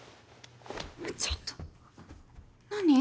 ちょっと何？